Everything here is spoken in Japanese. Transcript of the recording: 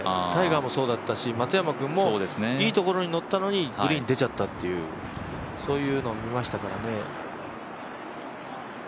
タイガーもそうだったし松山君もいいところに乗ったのにグリーン出ちゃったっていうそういうのを見ましたからね。